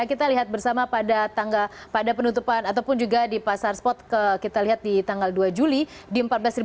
kita lihat bersama pada tangga pada penutupan ataupun juga di pasar spot kita lihat di tanggal dua juli di empat belas tiga ratus tiga puluh satu